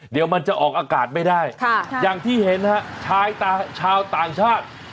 เดี๋ยวมันจะออกอากาศไม่ได้อย่างที่เห็นฮะชายชาวต่างชาติ